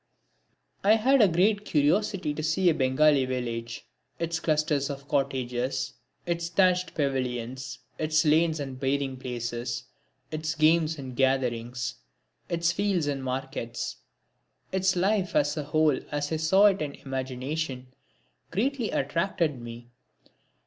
I had a great curiosity to see a Bengal village. Its clusters of cottages, its thatched pavilions, its lanes and bathing places, its games and gatherings, its fields and markets, its life as a whole as I saw it in imagination, greatly attracted me.